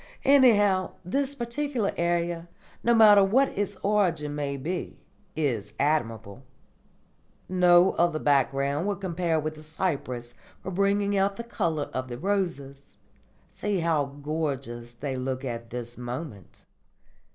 Anyhow, this particular idea, no matter what its origin may be, is admirable. No other background will compare with the cypress for bringing out the colour of the roses. See how gorgeous they look at this moment."